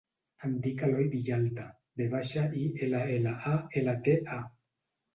Em dic Eloi Villalta: ve baixa, i, ela, ela, a, ela, te, a.